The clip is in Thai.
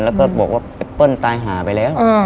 แล้วก็บอกว่าไอ้เปิ้ลตายหาไปแล้ว